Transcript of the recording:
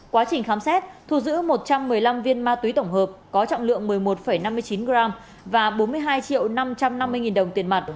quá trình khám xét thu giữ một trăm một mươi năm viên ma túy tổng hợp có trọng lượng một mươi một năm mươi chín g và bốn mươi hai triệu năm trăm năm mươi đồng tiền mặt